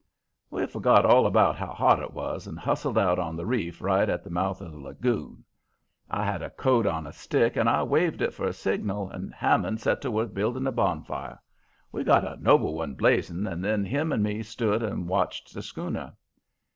"We forgot all about how hot it was and hustled out on the reef right at the mouth of the lagoon. I had a coat on a stick, and I waved it for a signal, and Hammond set to work building a bonfire. He got a noble one blazing and then him and me stood and watched the schooner.